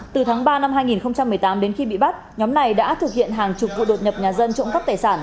từ tháng ba năm hai nghìn một mươi tám đến khi bị bắt nhóm này đã thực hiện hàng chục vụ đột nhập nhà dân trộm cắp tài sản